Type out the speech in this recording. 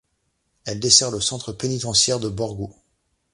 Elle dessert le Centre pénitentiaire de Borgo.